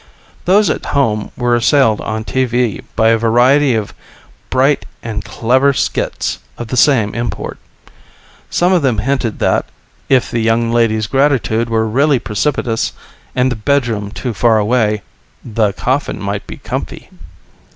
Those at home were assailed on TV with a variety of bright and clever skits of the same import. Some of them hinted that, if the young lady's gratitude were really precipitous, and the bedroom too far away, the coffin might be comfy.